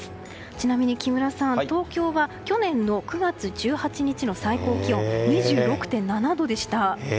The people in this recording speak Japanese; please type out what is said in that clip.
ちなみに木村さん東京は去年の９月１８日の最高気温は２６．７度でした。